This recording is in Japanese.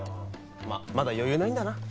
まっまだ余裕ないんだな。